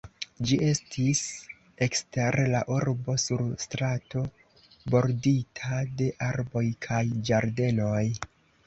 Ĝi estis ekster la urbo sur strato bordita de arboj kaj ĝardenoj.